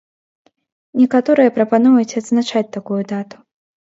Некаторыя прапануюць адзначаць такую дату.